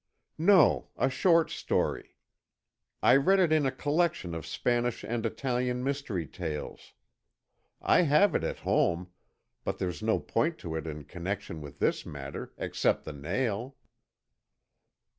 "No. A short story. I read it in a collection of Spanish and Italian mystery tales. I have it at home, but there's no point to it in connection with this matter, except the nail."